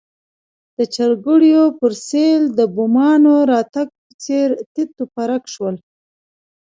د چرګوړیو پر سېل د بومانو راتګ په څېر تیت و پرک شول.